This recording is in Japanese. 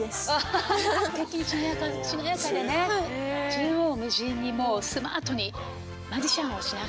縦横無尽にもうスマートにマジシャンをしながらね。